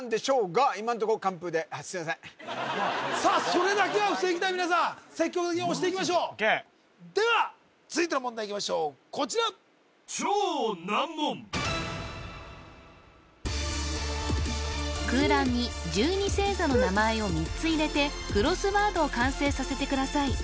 それだけは防ぎたい皆さん積極的に押していきましょうでは続いての問題いきましょうこちら空欄に１２星座の名前を３つ入れてクロスワードを完成させてください